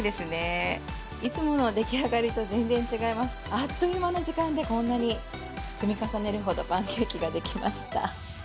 あっという間の時間でこんなに積み重ねるほどパンケーキができました。